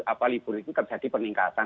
apa libur itu terjadi peningkatan